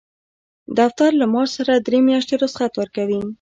دفتر له معاش سره درې میاشتې رخصت ورکوي.